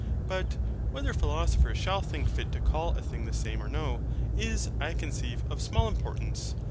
But whether philosophers shall think fit to CALL a thing the SAME or no, is, I conceive, of small importance.